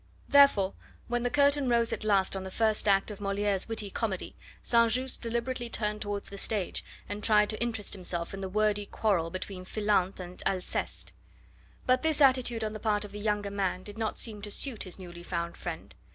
Therefore, when the curtain rose at last on the first act of Moliere's witty comedy, St. Just turned deliberately towards the stage and tried to interest himself in the wordy quarrel between Philinte and Alceste. But this attitude on the part of the younger man did not seem to suit his newly found friend.